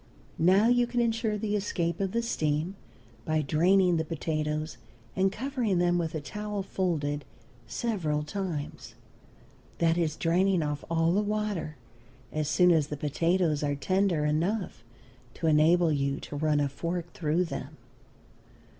Now you can insure the escape of the steam by draining the potatoes and covering them with a towel folded several times; that is, draining off all the water as soon as the potatoes are tender enough to enable you to run a fork through them.